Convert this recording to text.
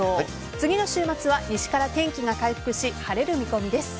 次の週末は西から天気が回復し晴れる見込みです。